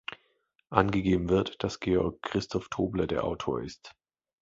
Angegeben wird, dass Georg Christoph Tobler der Autor ist.